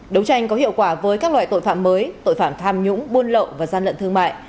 đấu tranh có hiệu quả với các loại tội phạm mới tội phạm tham nhũng buôn lậu và gian lận thương mại